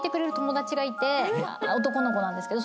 男の子なんですけど。